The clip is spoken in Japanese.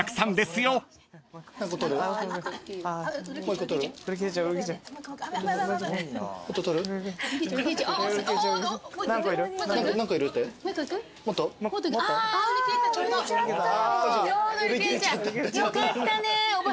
よかったね。